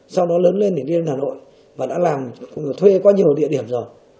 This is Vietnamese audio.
sau đó lớn lên để đi lên hà nội và đã làm thuê qua nhiều địa điểm rồi